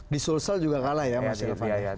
di sulsel juga kalah ya mas irvan